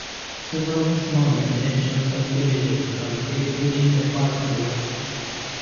Several small residential subdivisions are located within the park on the west.